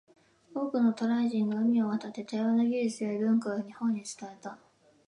多くの渡来人が海を渡って、多様な技術や文化を日本に伝えた。